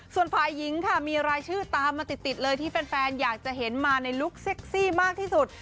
ส่วนฝ่ายหญิงค่ะมีรายชื่อตามมาติดเลยที่แฟนอยากจะเห็นมาในลุคเซ็กซี่มากที่สุด